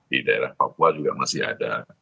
di daerah papua juga masih ada